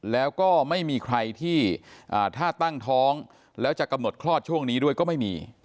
แล้วก็ไม่มีใครที่ถ้าตั้งท้องแล้วจะกำหนดคลอดช่วงนี้ด้วยก็ไม่มี